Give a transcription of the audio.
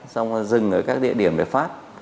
xong rồi dừng ở các địa điểm để phát